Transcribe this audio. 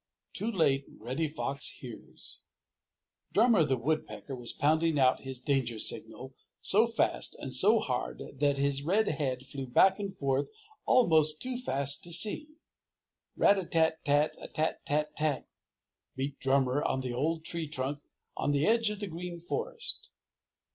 Too Late Reddy Fox Hears Drummer the Woodpecker was pounding out his danger signal so fast and so hard that his red head flew back and forth almost too fast to see. Rat a tat tat a tat tat, beat Drummer on the old tree trunk on the edge of the Green Forest.